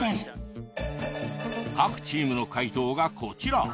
各チームの解答がこちら。